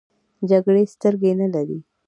جګړې سترګې نه لري .